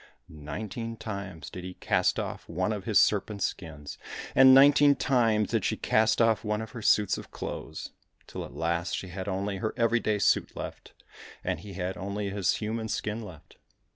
Nine teen times did he cast off one of his serpent's skins, and nineteen times did she cast off one of her suits of clothes, till at last she had only her every day suit left, and he had only his human skin left.